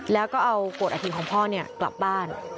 แล้วก็เอาขวดอาทิตของพ่อกลับบ้าน